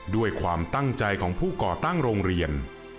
ด้วยความตั้งใจของผู้ก่อตั้งโรงเรียน